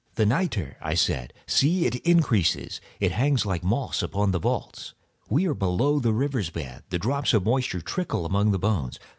"The nitre!" I said: "see, it increases. It hangs like moss upon the vaults. We are below the river's bed. The drops of moisture trickle among the bones.